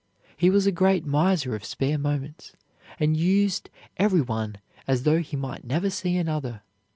He was a great miser of spare moments and used every one as though he might never see another.